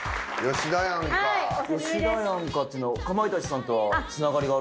「吉田やんか」っていうのはかまいたちさんとつながりが。